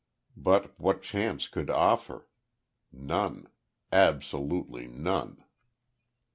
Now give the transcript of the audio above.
But what chance could offer? None. Absolutely none.